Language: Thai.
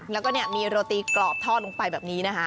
แล้วก็มีโรตีกรอบทอดลงไปแบบนี้นะคะ